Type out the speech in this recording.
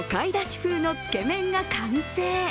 風のつけ麺が完成。